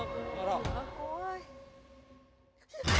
怖い。